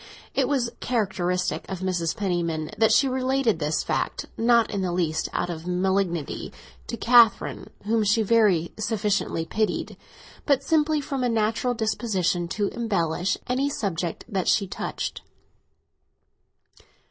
It was characteristic of Mrs. Penniman that she related this fact, not in the least out of malignity to Catherine, whom she very sufficiently pitied, but simply from a natural disposition to embellish any subject that she touched.